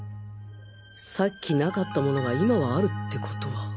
さっきなかったものが今はあるってことは